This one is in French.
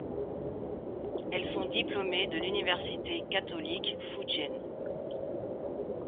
Elles sont diplômées de l'université catholique Fu-Jen.